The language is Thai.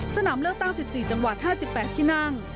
สนามเลือกตั้ง๑๔จังหวัด๕๘ที่นั่ง